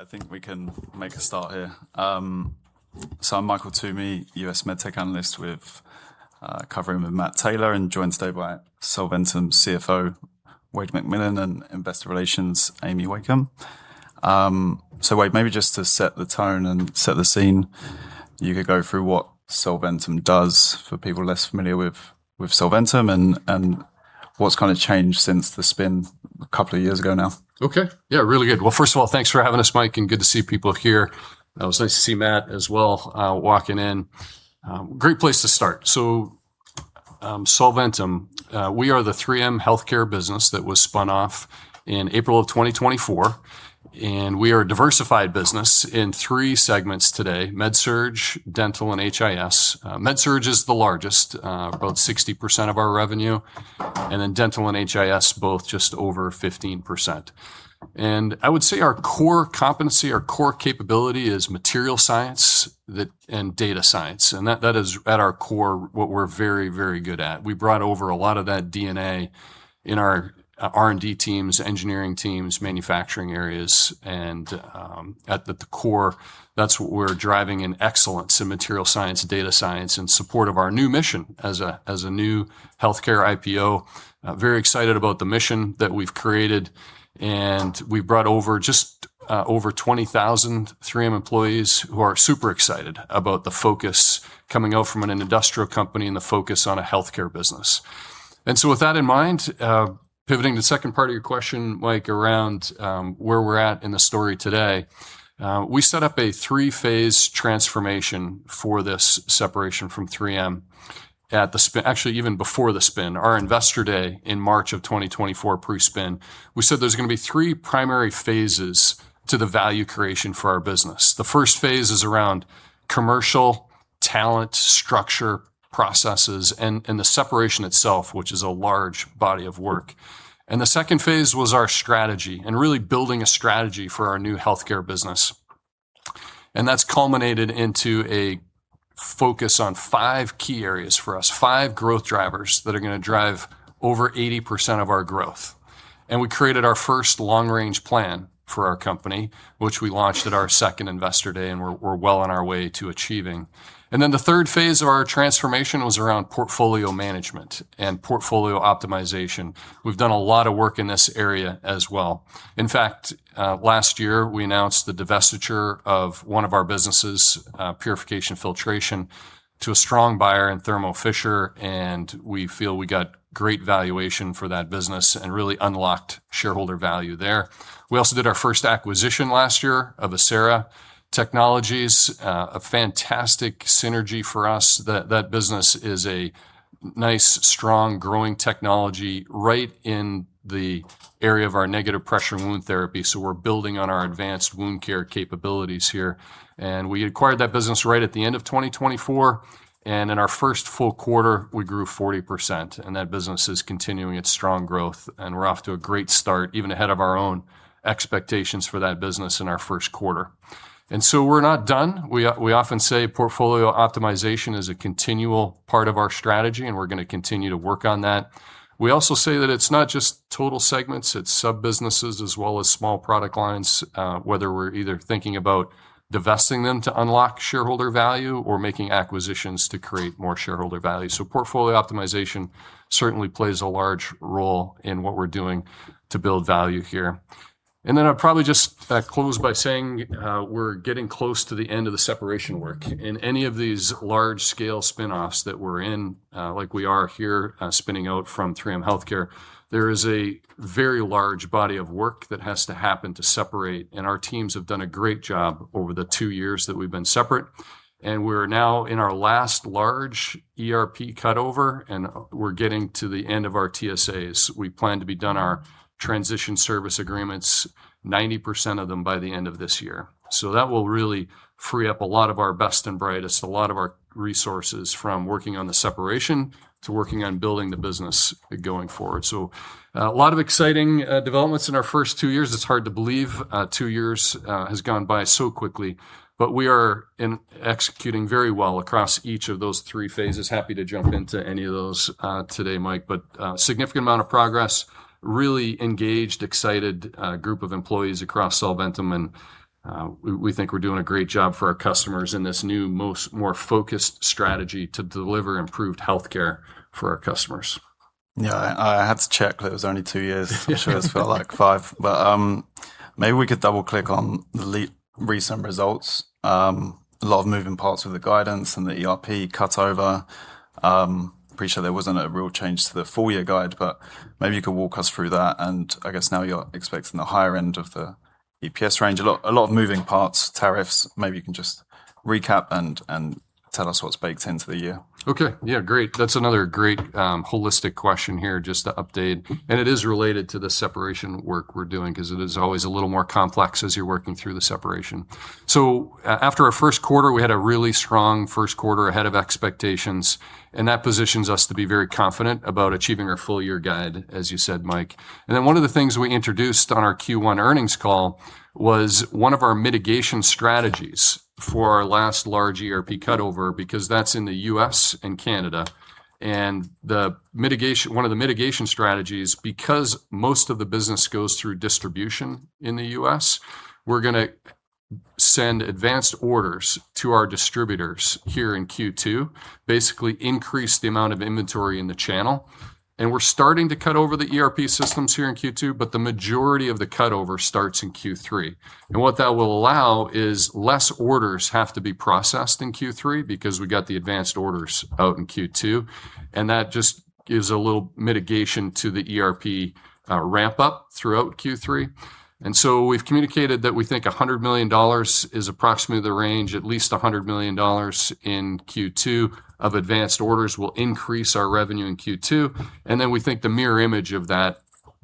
I think we can make a start here. I'm Michael Toomey, U.S. MedTech analyst covering with Matt Taylor, and I'm joined today by Solventum CFO Wayde McMillan and Investor Relations Amy Wakeham. Wayde, maybe just to set the tone and set the scene, you could go through what Solventum does for people less familiar with Solventum and what's changed since the spin a couple of years ago now. Okay. Yeah, really good. First of all, thanks for having us, Mike, and it's good to see people here. It was nice to see Matt walking in as well. Great place to start. Solventum, we are the 3M healthcare business that was spun off in April of 2024, and we are a diversified business in three segments today: MedSurg, Dental, and HIS. MedSurg is the largest, about 60% of our revenue, and then Dental and HIS, both just over 15%. I would say our core competency, our core capability, is material science and data science, and that is at our core what we're very, very good at. We brought over a lot of that DNA in our R&D teams, engineering teams, manufacturing areas. At the core, that's what we're driving in excellence in material science and data science in support of our new mission as a new healthcare IPO. Very excited about the mission that we've created. We've brought over just over 20,000 3M employees who are super excited about the focus coming out from an industrial company and the focus on a healthcare business. With that in mind, pivoting to the second part of your question, Mike, around where we're at in the story today. We set up a phase III transformation for this separation from 3M actually even before the spin. Our Investor Day in March of 2024 pre-spin, we said there's going to be three primary phases to the value creation for our business. The first phase is around commercial talent, structure, processes, and the separation itself, which is a large body of work. The second phase was our strategy and really building a strategy for our new healthcare business. That's culminated into a focus on five key areas for us, five growth drivers that are going to drive over 80% of our growth. We created our first long-range plan for our company, which we launched at our second Investor Day, and we're well on our way to achieving it. The third phase of our transformation was around portfolio management and portfolio optimization. We've done a lot of work in this area as well. In fact, last year we announced the divestiture of one of our businesses, Purification & Filtration, to a strong buyer in Thermo Fisher Scientific. We feel we got great valuation for that business and really unlocked shareholder value there. We also did our first acquisition last year of Acera Technologies, a fantastic synergy for us. That business is a nice, strong, growing technology right in the area of our negative pressure wound therapy. We're building on our advanced wound care capabilities here. We acquired that business right at the end of 2024*. In our first full quarter, we grew 40%, and that business is continuing its strong growth, and we're off to a great start, even ahead of our own expectations for that business in our first quarter. We're not done. We often say portfolio optimization is a continual part of our strategy. We're going to continue to work on that. We also say that it's not just total segments, it's sub-businesses as well as small product lines, whether we're either thinking about divesting them to unlock shareholder value or making acquisitions to create more shareholder value. Portfolio optimization certainly plays a large role in what we're doing to build value here. I'd probably just close by saying we're getting close to the end of the separation work. In any of these large-scale spinoffs that we're in, like we are here spinning out from 3M Healthcare, there is a very large body of work that has to happen to separate. Our teams have done a great job over the two years that we've been separate. We're now in our last large ERP cut-over, and we're getting to the end of our TSAs. We plan to be done with our transition service agreements, 90% of them by the end of this year. That will really free up a lot of our best and brightest, a lot of our resources from working on the separation to working on building the business going forward. A lot of exciting developments in our first two years. It's hard to believe two years have gone by so quickly, but we are executing very well across each of those three phases. Happy to jump into any of those today, Mike. Significant amount of progress, really engaged, excited group of employees across Solventum, and we think we're doing a great job for our customers in this new, more focused strategy to deliver improved healthcare for our customers. Yeah. I had to check that it was only two years. I'm sure it's felt like five. Maybe we could double-click on the recent results. A lot of moving parts with the guidance and the ERP cutover. I'm pretty sure there wasn't a real change to the full-year guide, but maybe you could walk us through that, and I guess now you're expecting the higher end of the EPS range. A lot of moving parts, tariffs. Maybe you can just recap and tell us what's baked into the year. Okay. Yeah. Great. That's another great holistic question here just to update, and it is related to the separation work we're doing because it is always a little more complex as you're working through the separation. After our first quarter, we had a really strong first quarter ahead of expectations, and that positions us to be very confident about achieving our full-year guide, as you said, Mike. One of the things we introduced on our Q1 earnings call was one of our mitigation strategies for our last large ERP cut-over, because that's in the U.S. and Canada. One of the mitigation strategies, because most of the business goes through distribution in the U.S., is that we're going to send advanced orders to our distributors here in Q2, basically increasing the amount of inventory in the channel. We're starting to cut over the ERP systems here in Q2, but the majority of the cutover starts in Q3. What that will allow is less orders have to be processed in Q3 because we got the advanced orders out in Q2, and that just gives a little mitigation to the ERP ramp-up throughout Q3. We've communicated that we think $100 million is approximately the range. At least $100 million in Q2 of advanced orders will increase our revenue in Q2. We think the mirror image of that,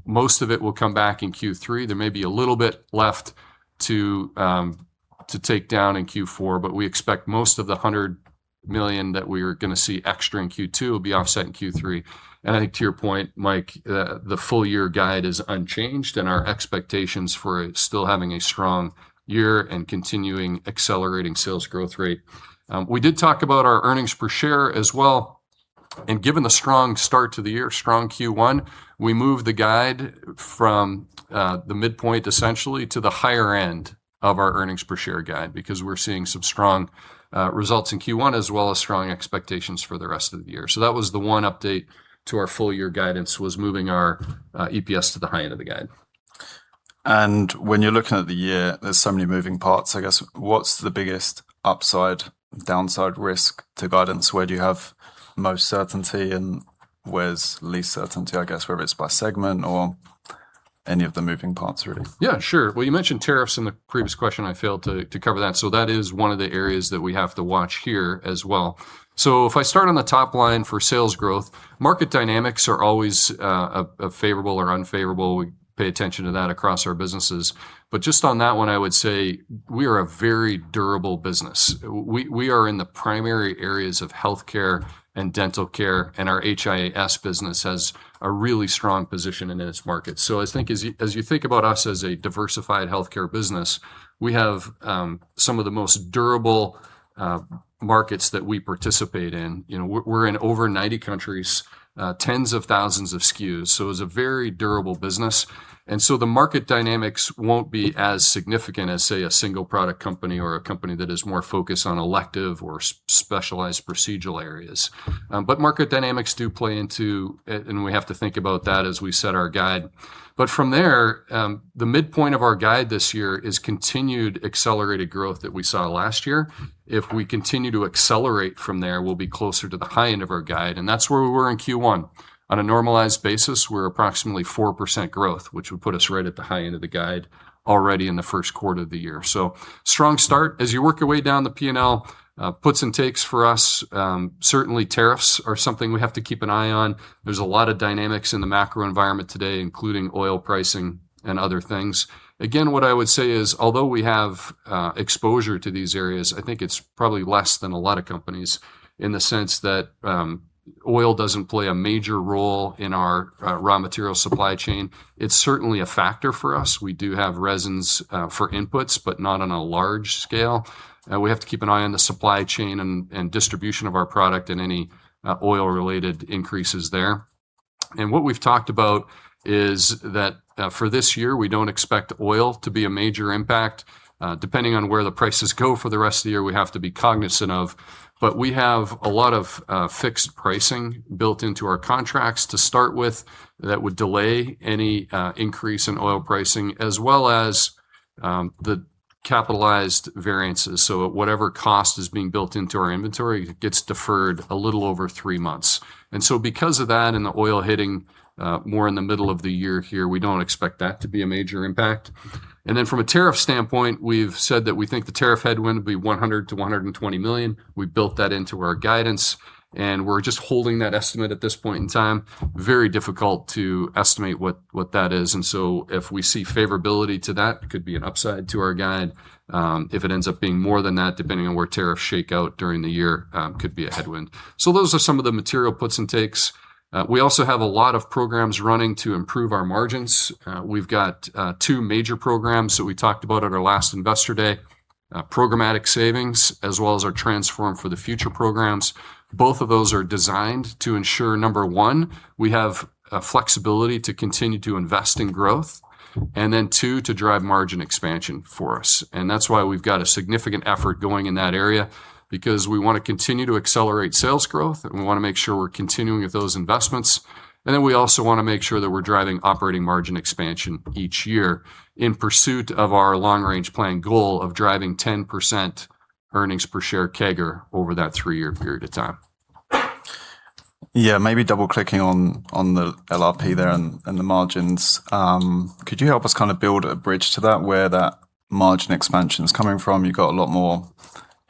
most of it, will come back in Q3. There may be a little bit left to take down in Q4, but we expect most of the $100 million that we're going to see extra in Q2 will be offset in Q3. I think to your point, Mike, the full-year guide is unchanged, and our expectations for it still have a strong year and continue accelerating sales growth rate. We did talk about our earnings per share as well. Given the strong start to the year, strong Q1, we moved the guide from the midpoint essentially to the higher end of our earnings per share guide because we're seeing some strong results in Q1 as well as strong expectations for the rest of the year. That was the one update to our full-year guidance, moving our EPS to the high end of the guide. When you're looking at the year, there are so many moving parts, I guess, what's the biggest upside and downside risk to guidance? Where do you have most certainty and where's least certainty, I guess, whether it's by segment or any of the moving parts really? Yeah, sure. Well, you mentioned tariffs in the previous question. I failed to cover that. That is one of the areas that we have to watch here as well. If I start on the top line for sales growth, market dynamics are always favorable or unfavorable. We pay attention to that across our businesses. Just on that one, I would say we are a very durable business. We are in the primary areas of healthcare and dental care, and our HIS business has a really strong position in its market. I think as you think about us as a diversified healthcare business, we have some of the most durable markets that we participate in. We're in over 90 countries and have tens of thousands of SKUs, so it's a very durable business. The market dynamics won't be as significant as, say, a single product company or a company that is more focused on elective or specialized procedural areas. Market dynamics do play into it, and we have to think about that as we set our guide. From there, the midpoint of our guide this year is continued accelerated growth that we saw last year. If we continue to accelerate from there, we'll be closer to the high end of our guide, and that's where we were in Q1. On a normalized basis, we're approximately 4% growth, which would put us right at the high end of the guide already in the first quarter of the year. Strong start. As you work your way down the P&L, puts and takes for us, certainly tariffs are something we have to keep an eye on. There's a lot of dynamics in the macro environment today, including oil pricing and other things. Again, what I would say is, although we have exposure to these areas, I think it's probably less than a lot of companies in the sense that oil doesn't play a major role in our raw material supply chain. It's certainly a factor for us. We do have resins for inputs, but not on a large scale. We have to keep an eye on the supply chain and distribution of our product and any oil-related increases there. What we've talked about is that for this year, we don't expect oil to be a major impact. Depending on where the prices go for the rest of the year, we have to be cognizant of. We have a lot of fixed pricing built into our contracts to start with that would delay any increase in oil pricing, as well as the capitalized variances. Whatever cost is being built into our inventory gets deferred a little over three months. Because of that and the oil hitting more in the middle of the year here, we don't expect that to be a major impact. From a tariff standpoint, we've said that we think the tariff headwind will be $100 million-$120 million. We've built that into our guidance, and we're just holding that estimate at this point in time. Very difficult to estimate what that is. If we see favorability to that, it could be an upside to our guide. If it ends up being more than that, depending on where tariffs shake out during the year, it could be a headwind. Those are some of the material puts and takes. We also have a lot of programs running to improve our margins. We've got two major programs that we talked about at our last Investor Day, programmatic savings as well as our Transform for the Future programs. Both of those are designed to ensure, number one, we have the flexibility to continue to invest in growth, and then, two, to drive margin expansion for us. That's why we've got a significant effort going in that area, because we want to continue to accelerate sales growth, and we want to make sure we're continuing with those investments. We also want to make sure that we're driving operating margin expansion each year in pursuit of our long-range plan goal of driving 10% earnings per share CAGR over that three-year period of time. Yeah. Maybe double-clicking on the LRP there and the margins, could you help us kind of build a bridge to that, where that margin expansion is coming from? You've got a lot more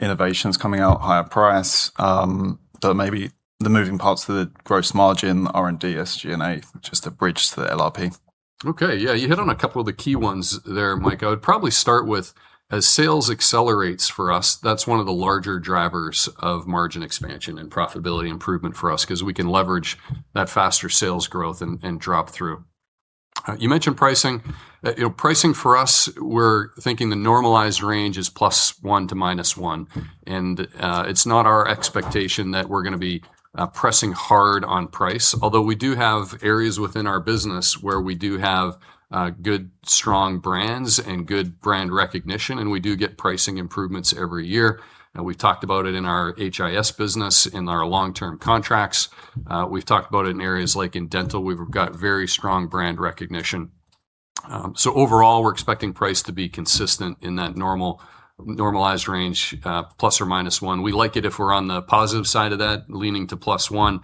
innovations coming out, higher prices. Maybe the moving parts of the gross margin, R&D, SG&A, just a bridge to the LRP. Okay. Yeah. You hit on a couple of the key ones there, Mike. I would probably start with, as sales accelerates for us, that's one of the larger drivers of margin expansion and profitability improvement for us because we can leverage that faster sales growth and drop through. You mentioned pricing. Pricing for us, we're thinking the normalized range is +1%--1%. It's not our expectation that we're going to be pressing hard on price, although we do have areas within our business where we do have good, strong brands and good brand recognition, and we do get pricing improvements every year. We've talked about it in our HIS business, in our long-term contracts. We've talked about it in areas like in dental. We've got very strong brand recognition. Overall, we're expecting the price to be consistent in that normalized range, ±1%. We like it if we're on the positive side of that, leaning to +1%.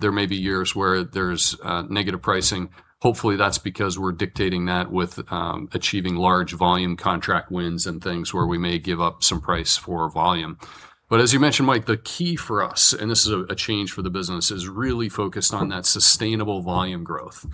There may be years where there's negative pricing. Hopefully, that's because we're dictating that with achieving large-volume contract wins and things where we may give up some price for volume. As you mentioned, Mike, the key for us, and this is a change for the business, is really focused on that sustainable volume growth.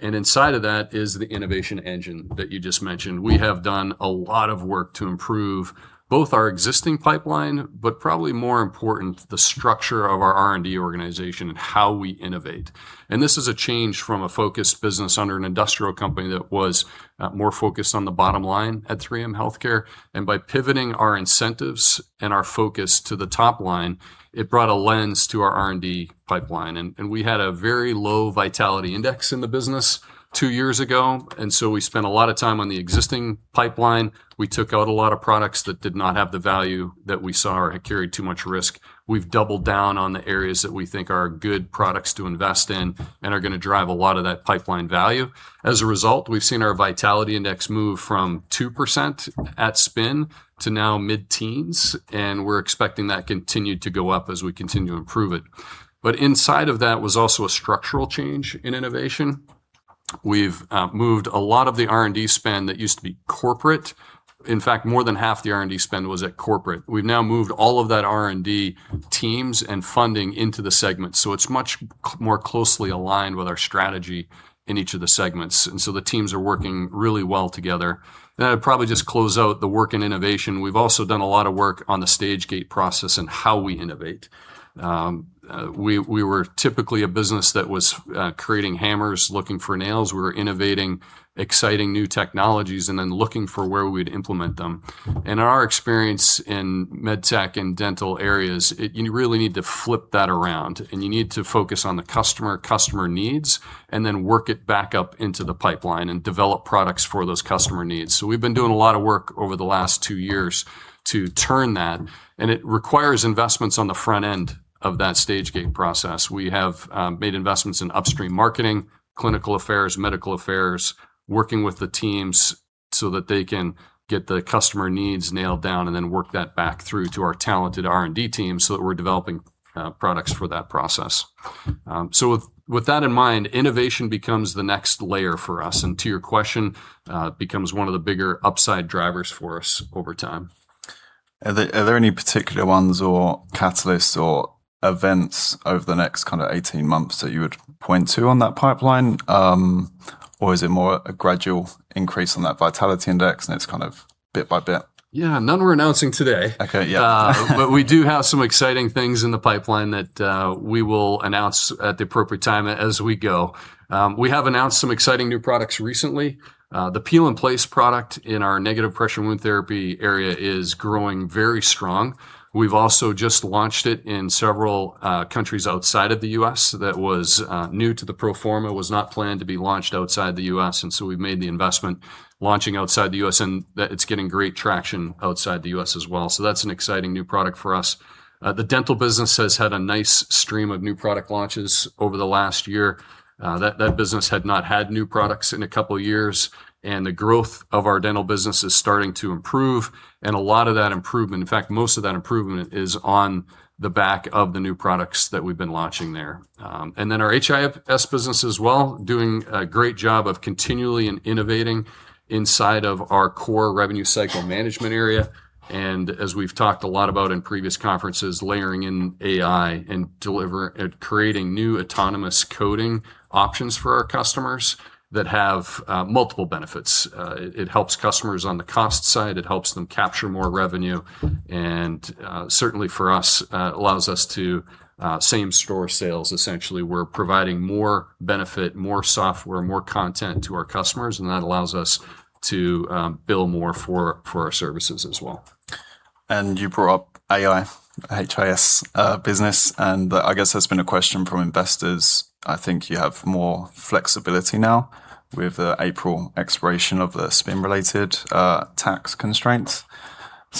Inside of that is the innovation engine that you just mentioned. We have done a lot of work to improve both our existing pipeline, but probably more importantly, the structure of our R&D organization and how we innovate. This is a change from a focused business under an industrial company that was more focused on the bottom line at 3M Healthcare. By pivoting our incentives and our focus to the top line, it brought a lens to our R&D pipeline. We had a very low vitality index in the business two years ago; we spent a lot of time on the existing pipeline. We took out a lot of products that did not have the value that we saw or had carried too much risk. We've doubled down on the areas that we think are good products to invest in and are going to drive a lot of that pipeline value. As a result, we've seen our vitality index move from 2% at spin to now mid-teens, and we're expecting that to continue to go up as we continue to improve it. Inside of that was also a structural change in innovation. We've moved a lot of the R&D spend that used to be corporate. In fact, more than half the R&D spend was at corporate. We've now moved all of those R&D teams and funding into the segment, so it's much more closely aligned with our strategy in each of the segments. The teams are working really well together. I'd probably just close out the work in innovation. We've also done a lot of work on the stage-gate process and how we innovate. We were typically a business that was creating hammers, looking for nails. We were innovating exciting new technologies and then looking for where we'd implement them. In our experience in med tech and dental areas, you really need to flip that around, and you need to focus on the customer needs, and then work it back up into the pipeline and develop products for those customer needs. We've been doing a lot of work over the last two years to turn that. It requires investments on the front end of that stage-gate process. We have made investments in upstream marketing and clinical affairs, working with the teams so that they can get the customer needs nailed down and then work that back through to our talented R&D team so that we're developing products for that process. With that in mind, innovation becomes the next layer for us and, to your question, becomes one of the bigger upside drivers for us over time. Are there any particular ones, catalysts, or events over the next kind of 18 months that you would point to on that pipeline? Or is it more a gradual increase on that vitality index, and it's kind of bit by bit? Yeah. None are being announced today. Okay. Yeah. We do have some exciting things in the pipeline that we will announce at the appropriate time as we go. We have announced some exciting new products recently. The Peel and Place product in our negative pressure wound therapy area is growing very strong. We've also just launched it in several countries outside of the U.S. that was new to the pro forma, was not planned to be launched outside the U.S., and so we've made the investment to launch outside the U.S., and it's getting great traction outside the U.S. as well. That's an exciting new product for us. The dental business has had a nice stream of new product launches over the last year. That business had not had new products in a couple of years, and the growth of our dental business is starting to improve. A lot of that improvement, in fact, most of that improvement, is on the back of the new products that we've been launching there. Then our HIS business as well, doing a great job of continually innovating inside of our core revenue cycle management area. As we've talked a lot about in previous conferences, layering in AI and creating new autonomous coding options for our customers that have multiple benefits. It helps customers on the cost side. It helps them capture more revenue. Certainly for us, allows us to same-store sales. Essentially, we're providing more benefit, more software, and more content to our customers, and that allows us to bill more for our services as well. You brought up AI, HIS business, and I guess that's been a question from investors. I think you have more flexibility now with the April expiration of the spin-related tax constraints.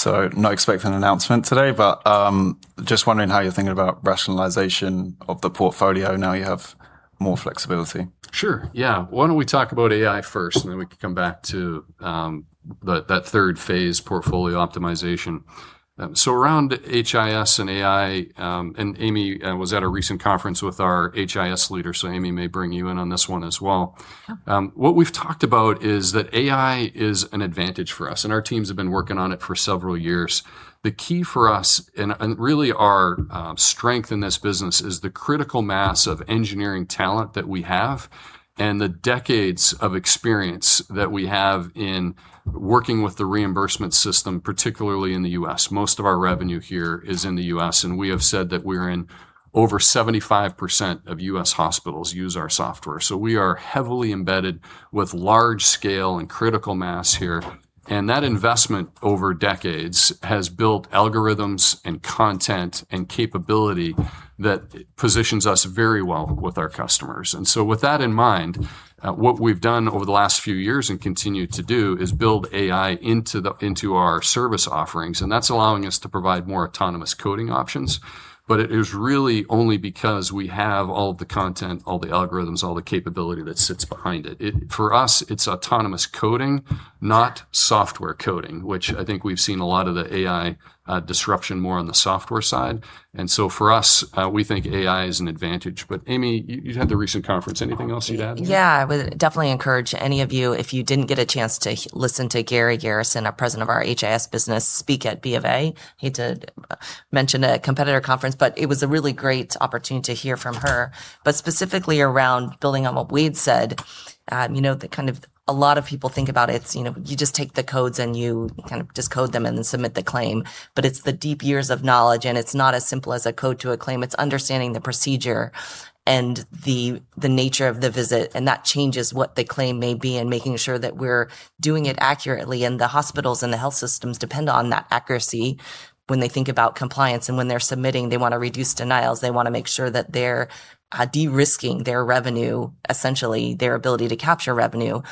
Not expecting an announcement today, but just wondering how you're thinking about rationalization of the portfolio now that you have more flexibility? Sure. Yeah. Why don't we talk about AI first, and then we can come back to that third phase, portfolio optimization? Around HIS and AI, and Amy was at a recent conference with our HIS leader, so Amy may bring you in on this one as well. Yeah. What we've talked about is that AI is an advantage for us, and our teams have been working on it for several years. The key for us, and really our strength in this business, is the critical mass of engineering talent that we have and the decades of experience that we have in working with the reimbursement system, particularly in the U.S. Most of our revenue here is in the U.S., and we have said that we're in over 75% of U.S. hospitals that use our software. We are heavily embedded with large scale and critical mass here. That investment over decades has built algorithms and content and capability that positions us very well with our customers. With that in mind, what we've done over the last few years and continue to do is build AI into our service offerings, and that's allowing us to provide more autonomous coding options. It is really only because we have all the content, all the algorithms, all the capability that sits behind it. For us, it's autonomous coding, not software coding, which I think we've seen a lot of the AI disruption more on the software side. For us, we think AI is an advantage. Amy, you had the recent conference. Anything else you'd add here? Yeah. I would definitely encourage any of you, if you didn't get a chance to listen to Garri Garrison, our president of our HIS business, speak at BofA. Hate to mention a competitor conference; it was a really great opportunity to hear from her. Specifically around building on what Wayde said, a lot of people think about it's, you just take the codes, and you just code them, and then submit the claim. It's the deep years of knowledge, and it's not as simple as a code to a claim. It's understanding the procedure and the nature of the visit, and that changes what the claim may be and making sure that we're doing it accurately. The hospitals and the health systems depend on that accuracy when they think about compliance. When they're submitting, they want to reduce denials. They want to make sure that they're de-risking their revenue, essentially, their ability to capture revenue.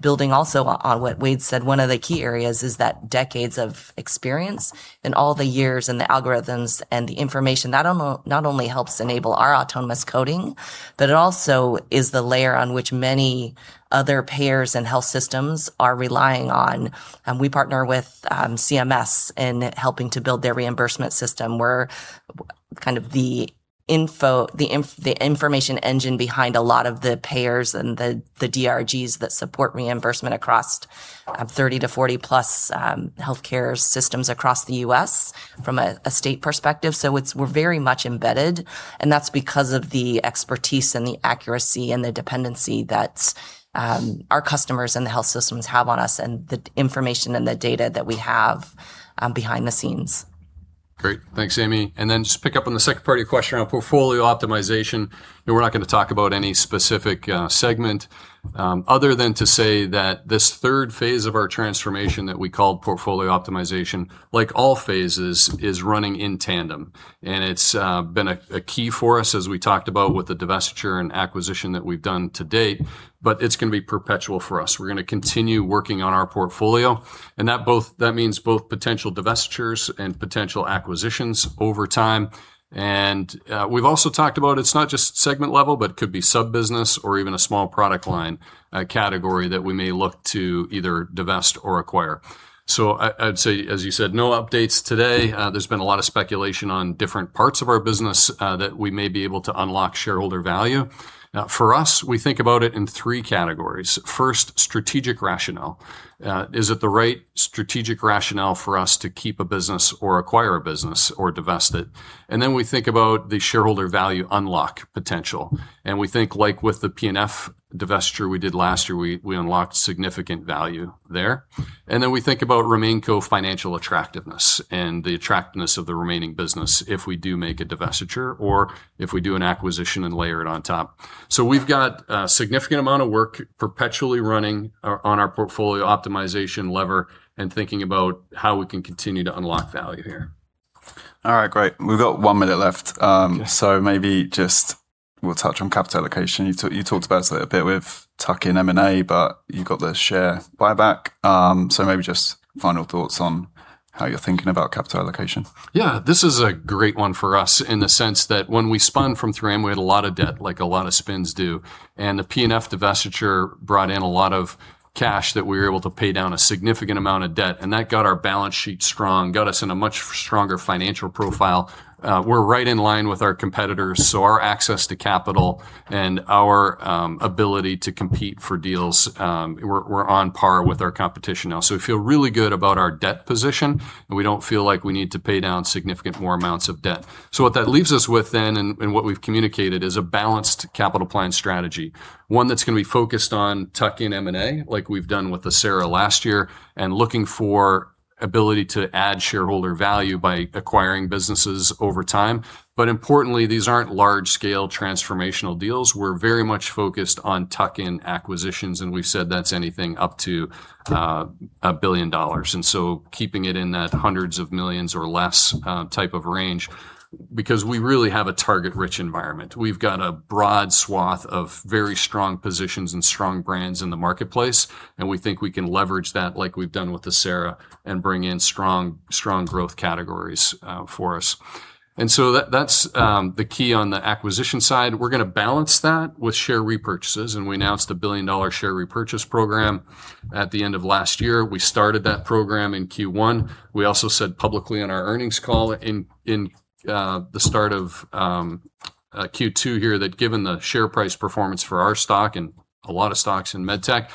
Building also on what Wayde said, one of the key areas is that decades of experience and all the years and the algorithms and the information not only help enable our autonomous coding, but it also is the layer on which many other payers and health systems are relying on. We partner with CMS in helping to build their reimbursement system. We're kind of the information engine behind a lot of the payers and the DRGs that support reimbursement across 30-40+ healthcare systems across the U.S. from a state perspective. We're very much embedded, and that's because of the expertise and the accuracy and the dependency that our customers and the health systems have on us and the information and the data that we have behind the scenes. Great. Thanks, Amy. Then just pick up on the second part of your question on Portfolio Optimization. We're not going to talk about any specific segment other than to say that this third phase of our transformation that we call Portfolio Optimization, like all phases, is running in tandem. It's been a key for us as we talked about with the divestiture and acquisition that we've done to date, but it's going to be perpetual for us. We're going to continue working on our portfolio, and that means both potential divestitures and potential acquisitions over time. We've also talked about it's not just segment-level, but could be sub-business or even a small product line category that we may look to either divest or acquire. I'd say, as you said, no updates today. There's been a lot of speculation on different parts of our business that we may be able to unlock shareholder value. For us, we think about it in three categories. First, strategic rationale. Is it the right strategic rationale for us to keep a business or acquire a business or divest it? Then we think about the shareholder value unlock potential. We think like with the P&F divestiture we did last year, we unlocked significant value there. Then we think about remainco financial attractiveness and the attractiveness of the remaining business if we do make a divestiture or if we do an acquisition and layer it on top. We've got a significant amount of work perpetually running on our portfolio optimization lever and are thinking about how we can continue to unlock value here. All right. Great. We've got one minute left. Okay. Maybe we'll just touch on capital allocation. You talked about it a bit with tuck-in M&A, but you got the share buyback. Maybe just final thoughts on how you're thinking about capital allocation. Yeah, this is a great one for us in the sense that when we spun from 3M, we had a lot of debt, like a lot of spins do. The P&F divestiture brought in a lot of cash that we were able to pay down a significant amount of debt, and that got our balance sheet strong and got us in a much stronger financial profile. We're right in line with our competitors, so our access to capital and our ability to compete for deals, we're on par with our competition now. We feel really good about our debt position, and we don't feel like we need to pay down significantly more amounts of debt. What that leaves us with then, and what we've communicated, is a balanced capital plan strategy, one that's going to be focused on tuck-in M&A, like we've done with Acelity last year, and looking for the ability to add shareholder value by acquiring businesses over time. Importantly, these aren't large-scale transformational deals. We're very much focused on tuck-in acquisitions, and we've said that's anything up to $1 billion. Keeping it in that hundreds of millions or less type of range, because we really have a target-rich environment. We've got a broad swath of very strong positions and strong brands in the marketplace, and we think we can leverage that like we've done with Acelity and bring in strong growth categories for us. That's the key on the acquisition side. We're going to balance that with share repurchases. We announced a billion-dollar share repurchase program at the end of last year. We started that program in Q1. We also said publicly on our earnings call in the start of Q2 here that given the share price performance for our stock and a lot of stocks in med tech,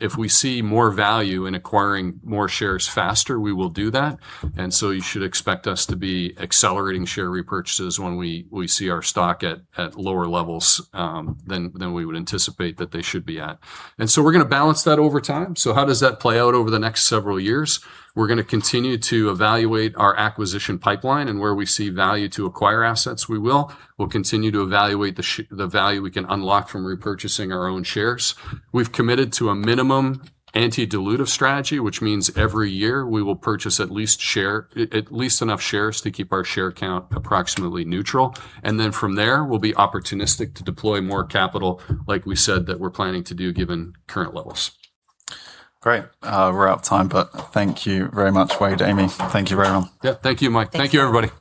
if we see more value in acquiring more shares faster, we will do that. You should expect us to be accelerating share repurchases when we see our stock at lower levels than we would anticipate that they should be at. We're going to balance that over time. How does that play out over the next several years? We're going to continue to evaluate our acquisition pipeline and where we see value to acquire assets, we will. We'll continue to evaluate the value we can unlock from repurchasing our own shares. We've committed to a minimum anti-dilutive strategy, which means every year we will purchase at least enough shares to keep our share count approximately neutral. From there, we'll be opportunistic to deploy more capital, like we said that we're planning to do given current levels. Great. We're out of time. Thank you very much, Wayde, Amy. Thank you very much. Yeah. Thank you, Mike. Thank you. Thank you, everybody.